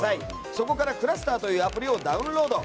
そこからｃｌｕｓｔｅｒというアプリをダウンロード。